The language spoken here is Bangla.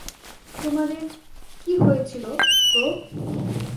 তোমাদের কী হয়েছিল গো?